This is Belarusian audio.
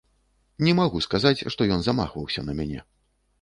Не магу сказаць, што ён замахваўся на мяне.